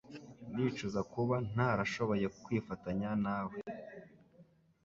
Ndicuza kuba ntarashoboye kwifatanya nawe